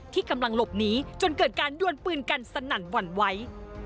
ที่กำลังหลบหนีจนเกิดการดวนปืนกันสนั่นหวั่นไหว